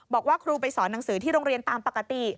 บอกว่าครูไปสอนหนังสือที่โรงเรียนตามปกติ